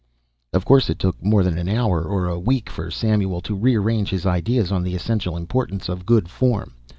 Of course it took more than an hour, or a week, for Samuel to rearrange his ideas on the essential importance of good form.